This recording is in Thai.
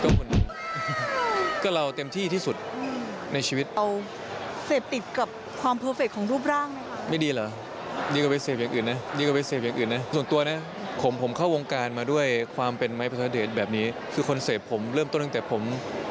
มันก็ต้องชอบแบบนี้แหละคุณผู้ชม